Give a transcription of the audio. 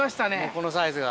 このサイズが。